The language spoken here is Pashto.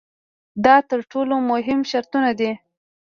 دا تر ټولو مهم شرطونه دي.